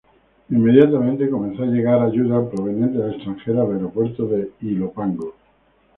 Inmediatamente comenzó a llegar ayuda proveniente del extranjero al aeropuerto de Ilopango.